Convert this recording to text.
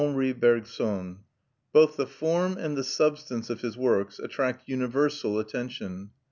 Henri Bergson. Both the form and the substance of his works attract universal attention.